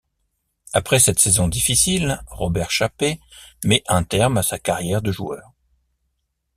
Après cette saison difficile, Robert Chapey met un terme à sa carrière de joueur.